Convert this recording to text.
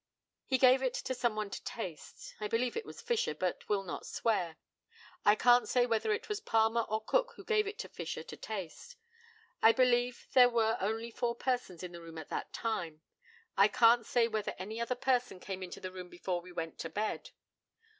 He gave it to some one to taste. I believe it was Fisher, but will not swear. I can't say whether it was Palmer or Cook who gave it to Fisher to taste. I believe there were only four persons in the room at the time. I can't say whether any other person came into the room before we went to bed.